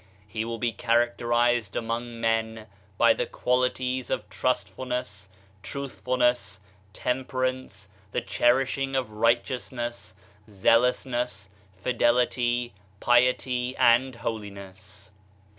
He will be characterized among men by the quali ties of trustfulness, truthfulness, temperance, the cherishing of righteousness, zealousness, fidelity, piety and holiness.